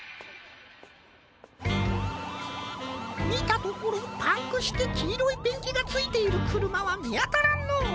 みたところパンクしてきいろいペンキがついているくるまはみあたらんのう。